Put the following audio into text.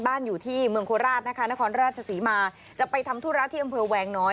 บ้านอยู่ที่เมืองโคลาทนครราชสีมาจะไปทำทุรัติที่อำเภอแหวงน้อย